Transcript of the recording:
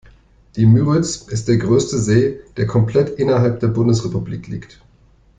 Die Müritz ist der größte See, der komplett innerhalb der Bundesrepublik liegt.